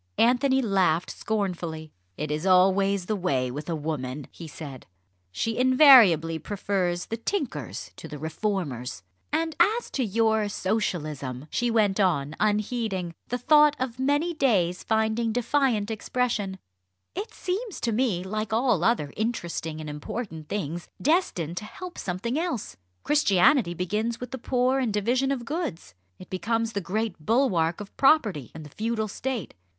Anthony laughed scornfully. "It is always the way with a woman," he said; "she invariably prefers the tinkers to the reformers." "And as to your Socialism," she went on, unheeding, the thought of many days finding defiant expression "it seems to me like all other interesting and important things destined to help something else! Christianity begins with the poor and division of goods it becomes the great bulwark of property and the feudal state.